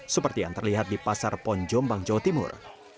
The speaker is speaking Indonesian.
seperti yang terlihat di pasar ponjombang jawa timur